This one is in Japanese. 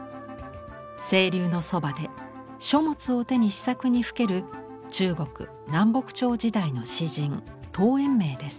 清流のそばで書物を手に思索にふける中国・南北朝時代の詩人陶淵明です。